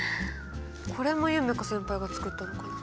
これも夢叶先輩が作ったのかなあ？